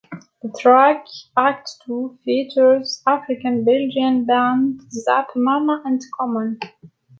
The track "Act Two" features African-Belgian band Zap Mama and Common.